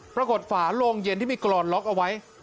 ฝาโลงเย็นที่มีกรอนล็อกเอาไว้